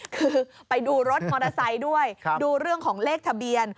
คือไปดูรถมอเตอร์ไซค์ด้วยดูเรื่องของเลขทะเบียน